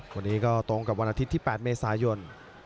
วันนี้ก็ตรงกับวันอาทิตย์ที่๘เมษายน